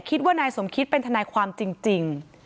คิดว่านายสมคิดเป็นทนายความจริง